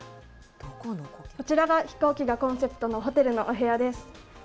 こちらが飛行機がコンセプトのホテルのお部屋です。